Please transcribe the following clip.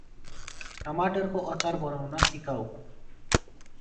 टमाटरको आचार बनाउन सिकाउ ।